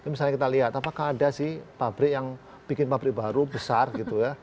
misalnya kita lihat apakah ada sih pabrik yang bikin pabrik baru besar gitu ya